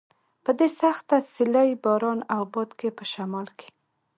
په دې سخته سیلۍ، باران او باد کې په شمال کې.